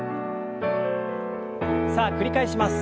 さあ繰り返します。